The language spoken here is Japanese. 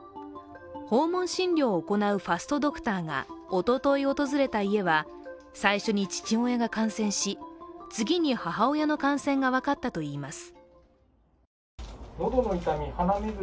訪問診療を行うファストドクターがおととい訪れた家は最初に父親が感染し次に母親の感染が分かったといいます。